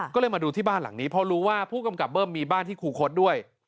ก็เลยมาดูที่บ้านหลังนี้เพราะรู้ว่าผู้กำกับเบิ้มมีบ้านที่ครูคดด้วย